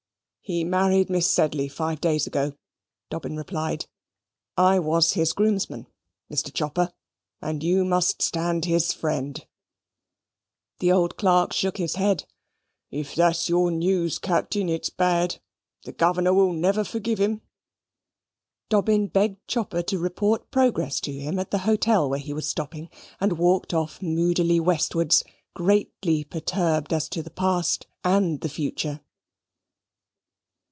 "He married Miss Sedley five days ago," Dobbin replied. "I was his groomsman, Mr. Chopper, and you must stand his friend." The old clerk shook his head. "If that's your news, Captain, it's bad. The governor will never forgive him." Dobbin begged Chopper to report progress to him at the hotel where he was stopping, and walked off moodily westwards, greatly perturbed as to the past and the future.